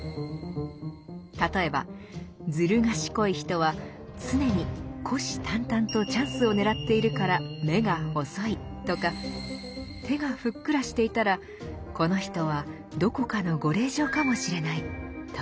例えば「ずる賢い人は常に虎視眈々とチャンスを狙っているから目が細い」とか手がふっくらしていたら「この人はどこかのご令嬢かもしれない」とか。